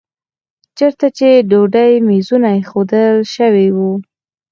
چېرته چې د ډوډۍ میزونه ایښودل شوي وو.